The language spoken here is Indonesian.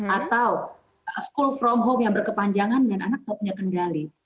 atau school from home yang berkepanjangan dan anak tidak punya kendali